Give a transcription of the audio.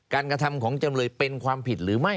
กระทำของจำเลยเป็นความผิดหรือไม่